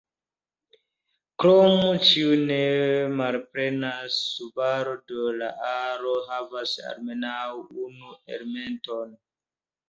Krome, ĉiu ne malplena subaro de la aro havas almenaŭ unu elementon.